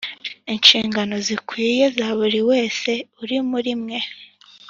inshingano zikwiye za buri wese uri muri mwe